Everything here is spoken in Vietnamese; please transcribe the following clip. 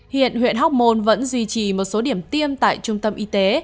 hiện huyện hóc môn vẫn duy trì một số điểm tiêm tại trung tâm y tế